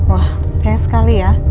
wah sayang sekali ya